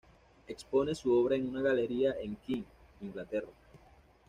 Expone su obra en una galería en Kent, Inglaterra.